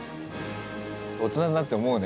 大人になって思うね